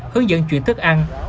hướng dẫn chuyển thức ăn